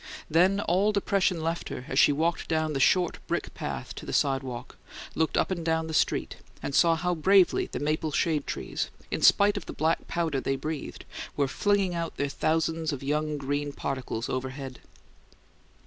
Then all depression left her as she walked down the short brick path to the sidewalk, looked up and down the street, and saw how bravely the maple shade trees, in spite of the black powder they breathed, were flinging out their thousands of young green particles overhead.